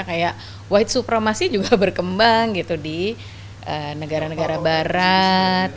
kayak wahid supromasi juga berkembang gitu di negara negara barat